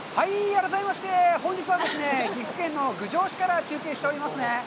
改めまして、本日はですね、岐阜県の郡上市から中継しておりますね。